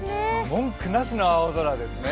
文句なしの青空ですね。